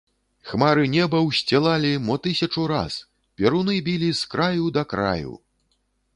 Хмары неба ўсцілалі мо тысячу раз, перуны білі з краю да краю.